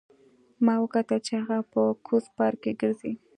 ما وکتل چې هغه په کوز پارک کې ګرځي